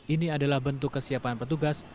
ini adalah bentuk kesiapan petugas